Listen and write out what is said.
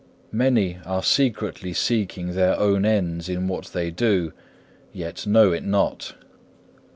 Many are secretly seeking their own ends in what they do, yet know it not.